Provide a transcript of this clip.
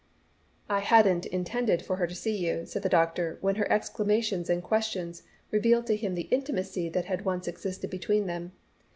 "I hadn't intended for her to see you," said the doctor, when her exclamations and questions revealed to him the intimacy that had once existed between them.